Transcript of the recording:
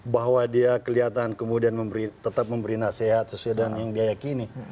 bahwa dia kelihatan kemudian tetap memberi nasihat sesuai dengan yang dia yakini